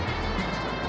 jangan makan aku